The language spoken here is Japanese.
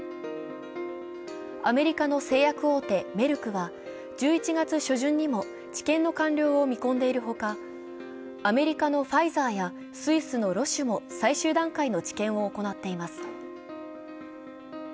アメリカの製薬大手、メルクは１１月初旬にも治験の完了を見込んでいるほか、アメリカのファイザーやスイスのロシュも最終段階の治験を行っています。